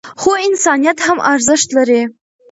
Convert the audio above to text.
خو انسانیت هم ارزښت لري.